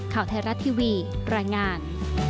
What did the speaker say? ข่าวไทยรัฐทีวีรายงาน